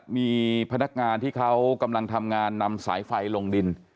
มีพนักงานที่เขากำลังทำงานนำสายไฟลงดิน